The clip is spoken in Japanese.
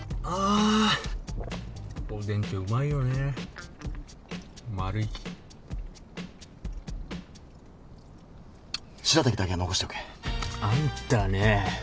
あんたねー。